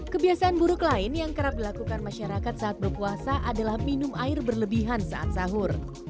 kebiasaan buruk lain yang kerap dilakukan masyarakat saat berpuasa adalah minum air berlebihan saat sahur